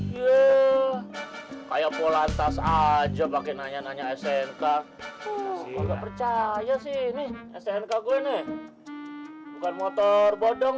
ya kayak polantas aja pakai nanya nanya snk percaya sih nih snk gue nih bukan motor bodong